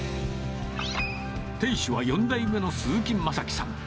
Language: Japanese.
店主は４代目の鈴木まさきさん。